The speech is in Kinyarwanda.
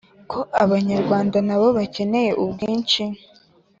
ko abanyarwanda nabo bakeneye ubwinshi!